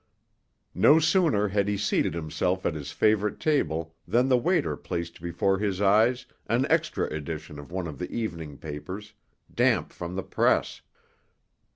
No sooner had he seated himself at his favorite table than the waiter placed before his eyes an extra edition of one of the evening papers, damp from the press.